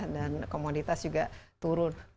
dan komoditas juga turun